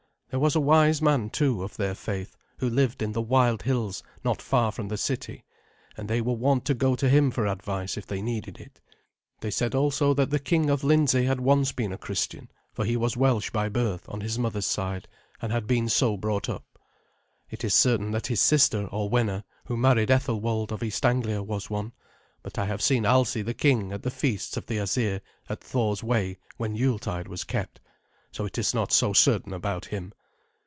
There was a wise man, too, of their faith, who lived in the wild hills not far from the city, and they were wont to go to him for advice if they needed it. They said also that the king of Lindsey had once been a Christian, for he was Welsh by birth on his mother's side, and had been so brought up. It is certain that his sister Orwenna, who married Ethelwald of East Anglia, was one, but I have seen Alsi the king at the feasts of the Asir at Thor's Way when Yuletide was kept, so it is not so certain about him.